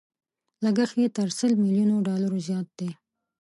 لګښت يې تر سل ميليونو ډالرو زيات دی.